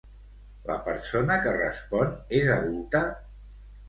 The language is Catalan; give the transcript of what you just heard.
La persona que respon, és adulta?